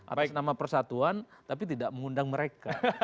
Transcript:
atas nama persatuan tapi tidak mengundang mereka